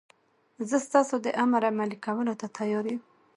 زه ستاسو د امر عملي کولو ته تیار یم.